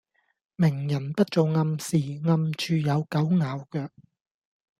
明人不做暗事，暗處有狗咬腳